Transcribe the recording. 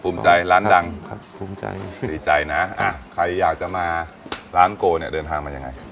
ใจร้านดังครับภูมิใจดีใจนะใครอยากจะมาร้านโกเนี่ยเดินทางมายังไง